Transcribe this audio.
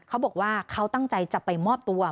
เขาบอกว่าเขาตั้งใจจะไปมอบตัว